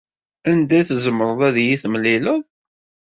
Anda ay tzemreḍ ad iyi-temlileḍ?